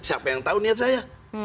siapa yang tahu niat saya